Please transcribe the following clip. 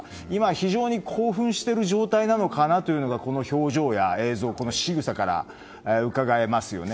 非常に興奮している状態なのかなと、表情や映像、このしぐさからうかがえますよね。